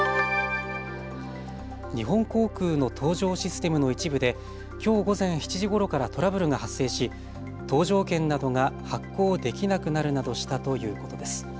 日本航空の搭乗システムの一部できょう午前７時ごろからトラブルが発生し搭乗券などが発行できなくなるなどしたということです。